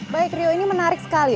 baik rio ini menarik sekali